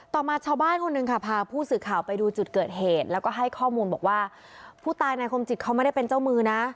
ต่อมาชาวบ้านคนหนึ่งค่ะพาผู้สื่อข่าวไปดูจุดเกิดเหตุแล้วก็ให้ข้อมูลบอกว่าผู้ตายนายคมจิตเขาไม่ได้เป็นเจ้ามือนะ